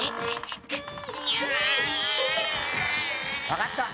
・分かった